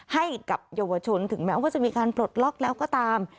ให้กับเยาวชนถึงแม้ว่าจะมีการปลดล็อกแล้วก็ตาม